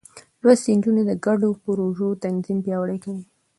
لوستې نجونې د ګډو پروژو تنظيم پياوړې کوي.